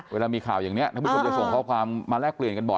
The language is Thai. เวลามีข่าวอย่างนี้ท่านผู้ชมจะส่งข้อความมาแลกเปลี่ยนกันบ่อย